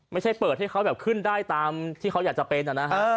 ไม่ใช่เปิดให้เขาแบบขึ้นได้ตามที่เขาอยากจะเป็นอะนะฮะเออ